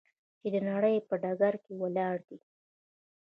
چې د نړۍ په ډګر کې ولاړ دی.